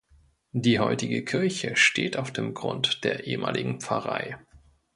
Die heutige Kirche steht auf dem Grund der ehemaligen Pfarrei.